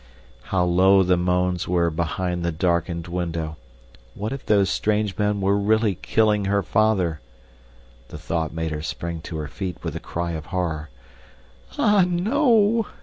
How loud the moans were behind the darkened window! What if those strange men were really killing her father! The thought made her spring to her feet with a cry of horror. "Ah, no!"